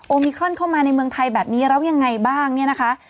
มิครอนเข้ามาในเมืองไทยแบบนี้แล้วยังไงบ้างเนี่ยนะคะ